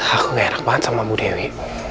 aku gak enak banget sama bu dewi